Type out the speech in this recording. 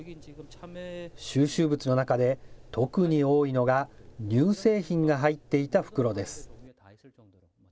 収集物の中で特に多いのが乳製品が入っていた袋です。